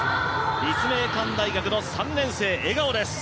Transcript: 立命館大学の３年生、笑顔です。